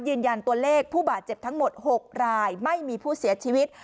ยืนยันตัวเลขผู้บาดเจ็บทั้งหมด๖รายไม่มีผู้เสียชีวิต